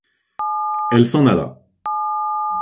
Elle s’en alla.